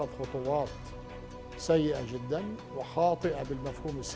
adalah yerusalem yang mengucapkan terlalu buruk dan salah